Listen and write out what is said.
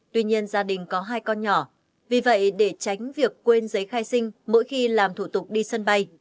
tuy nhiên gia đình có hai con nhỏ vì vậy để tránh việc quên giấy khai sinh mỗi khi làm thủ tục đi sân bay